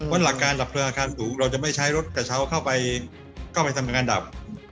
เพราะหลักการดับเพลิงอาคารสูงเราจะไม่ใช้รถกระเช้าเข้าไปทำงานดับ